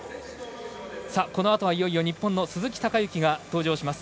このあとは、いよいよ日本の鈴木孝幸が登場します。